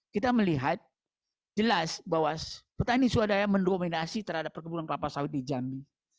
kita melihat jelas bahwa petani swadaya mendominasi terhadap perkebunan kelapa sawit di jambi